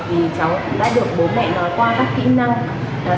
vì cháu đã được bố mẹ nói qua các kỹ năng